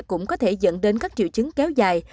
cũng có thể dẫn đến các triệu chứng kéo dài